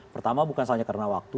pertama bukan hanya karena waktu